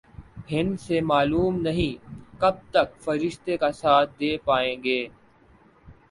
ہندسے معلوم نہیں کب تک فرشتے کا ساتھ دے پائیں گے۔